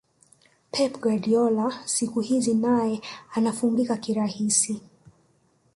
pep guardiola siku hizi naye anafungika kirahisi